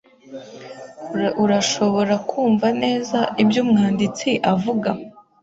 Urashobora kumva neza ibyo umwanditsi avuga?